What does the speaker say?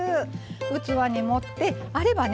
器に盛ってあればね